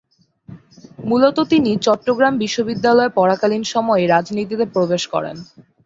মূলত তিনি চট্টগ্রাম বিশ্ববিদ্যালয়ে পড়াকালীন সময়েই রাজনীতিতে প্রবেশ করেন।